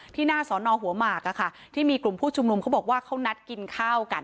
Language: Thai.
หน้าสอนอหัวหมากที่มีกลุ่มผู้ชุมนุมเขาบอกว่าเขานัดกินข้าวกัน